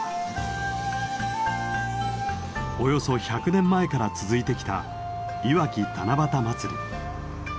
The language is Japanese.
およそ１００年前から続いてきたいわき七夕まつり。